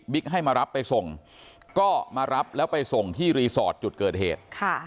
ให้มารับไปส่งก็มารับแล้วไปส่งที่รีสอร์ทจุดเกิดเหตุ